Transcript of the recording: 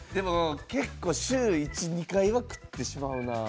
結構、週１、２回は食ってしまうな。